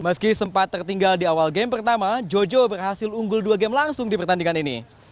meski sempat tertinggal di awal game pertama jojo berhasil unggul dua game langsung di pertandingan ini